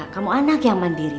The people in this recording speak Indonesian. kamu anak yang mandiri